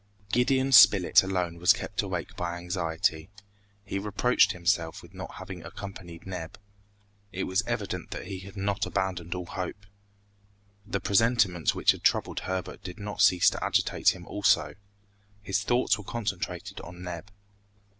Gideon Spilett alone was kept awake by anxiety. He reproached himself with not having accompanied Neb. It was evident that he had not abandoned all hope. The presentiments which had troubled Herbert did not cease to agitate him also. His thoughts were concentrated on Neb.